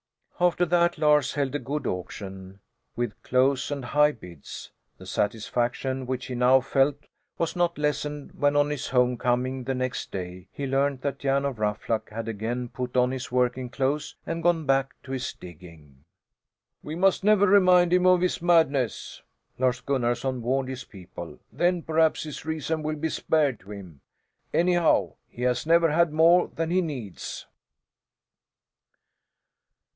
After that Lars held a good auction, with close and high bids. The satisfaction which he now felt was not lessened when on his homecoming the next day, he learned that Jan of Ruffluck had again put on his working clothes, and gone back to his digging. "We must never remind him of his madness," Lars Gunnarson warned his people, "then perhaps his reason will be spared to him. Anyhow, he has never had more than he needs."